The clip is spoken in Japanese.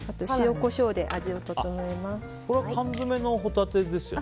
これは缶詰のホタテですよね。